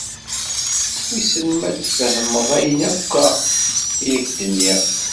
Wissen ma ad d-tfehmeḍ ayen akka i ak-d-nniɣ.